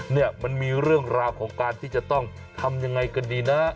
เนี่ยมันมีเรื่องราวของการที่จะต้องทำยังไงกันดีนะ